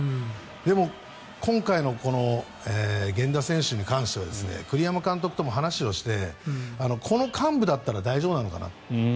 でも、今回の源田選手に関しては栗山監督とも話をしてこの患部だったら大丈夫なのかなと。